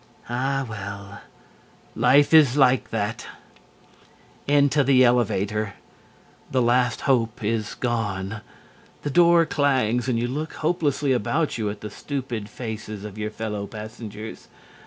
Ah well! Life is like that! Into the elevator. The last hope is gone. The door clangs and you look hopelessly about you at the stupid faces of your fellow passengers.